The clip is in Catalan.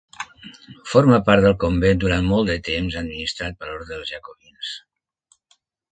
Forma part del convent durant molt de temps administrat per l'ordre dels Jacobins.